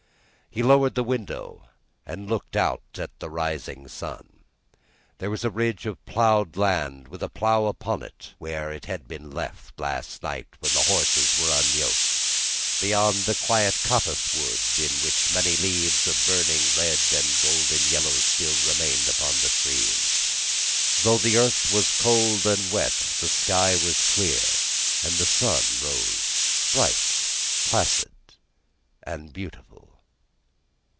He lowered the window, and looked out at the rising sun. There was a ridge of ploughed land, with a plough upon it where it had been left last night when the horses were unyoked; beyond, a quiet coppice wood, in which many leaves of burning red and golden yellow still remained upon the trees. Though the earth was cold and wet, the sky was clear, and the sun rose bright, placid, and beautiful.